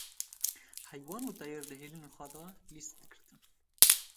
heywan û teyr di hêlînên xwe de lîs digirtin.